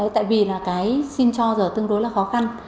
tại vì là cái xin cho giờ tương đối là khó khăn